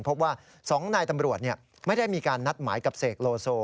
พบว่า๒นายตำรวจไม่ได้มีการนัดหมายกับเสกโลโซ